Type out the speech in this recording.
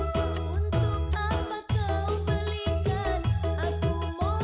kau yang selalu campakkan aku